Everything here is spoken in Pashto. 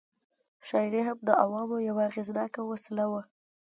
شاعري هم د عوامو یوه اغېزناکه وسله وه.